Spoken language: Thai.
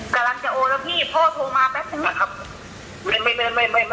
คุณฟังกูนะเขาจะด่าคุณเรื่องอะไร